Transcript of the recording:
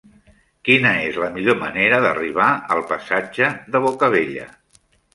Quina és la millor manera d'arribar al passatge de Bocabella?